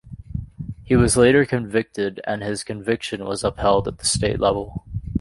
He was later convicted and his conviction was upheld at the state level.